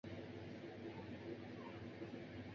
侏儒蚺属而设。